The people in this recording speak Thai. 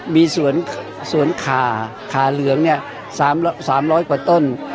มีสวนขาขาเหลืองเนี่ย๓๐๐กว่าต้น